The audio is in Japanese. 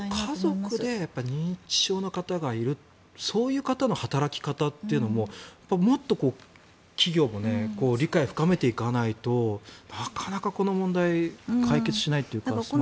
家族で認知症の方がいるそういう方の働き方というのももっと企業も理解を深めていかないとなかなかこの問題解決しないというか進まないなって。